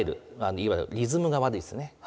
いわゆるリズムが悪いですね。